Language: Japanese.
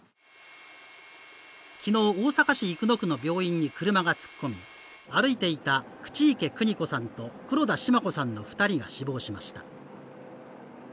昨日、大阪市生野区の病院に車が突っ込み、歩いていた口池邦子さんと黒田シマ子さんの２人が死亡しました。